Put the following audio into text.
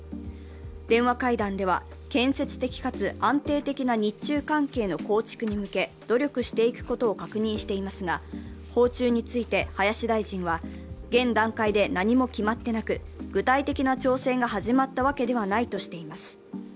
電話会談では、建設的かつ安定的な日中関係の構築に向け努力していくことを確認していますが、訪中について林大臣は、現段階で何も決まってなく、具体的な調整が始まったわけではないとしています。